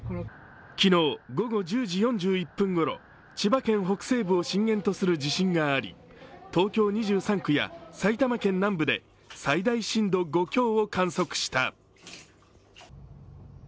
昨日、午後１０時４１分ごろ、千葉県北西部を震源とする地震があり東京２３区や埼玉県南部で最大震度５強を観測した。